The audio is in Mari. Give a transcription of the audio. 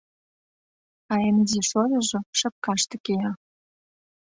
А эн изи шольыжо шепкаште кия.